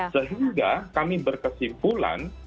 sehingga kami berkesimpulan